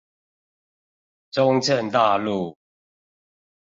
中正大路